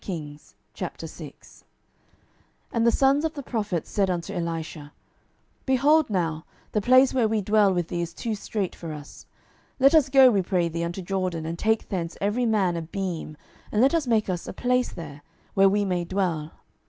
12:006:001 And the sons of the prophets said unto Elisha, Behold now, the place where we dwell with thee is too strait for us. 12:006:002 Let us go, we pray thee, unto Jordan, and take thence every man a beam, and let us make us a place there, where we may dwell.